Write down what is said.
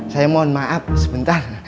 saya mohon maaf sebentar